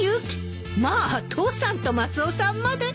まあ父さんとマスオさんまで。